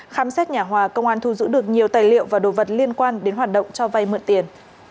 khám xét nhà hòa công an thu giữ được nhiều tài liệu và đồ vật liên quan đến hoạt động cho vay mượn tiền